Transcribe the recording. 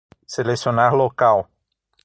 Selecionar local